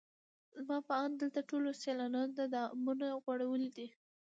زما په اند دلته ټولو سیلانیانو ته دامونه غوړولي دي.